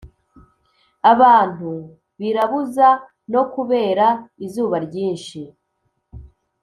abantu birabuza nokubera izuba ryinshi